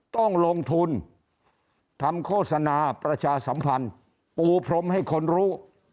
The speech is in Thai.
ต้องลงทุนทำโฆษณาประชาสัมพันธ์ปูพรมให้คนรู้